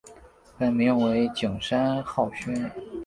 本名为景山浩宣。